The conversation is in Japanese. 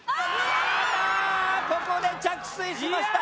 ああっここで着水しました。